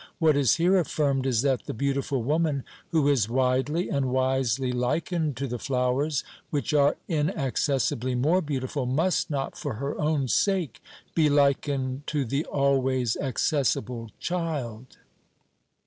What is here affirmed is that the beautiful woman who is widely and wisely likened to the flowers, which are inaccessibly more beautiful, must not, for her own sake, be likened to the always accessible child.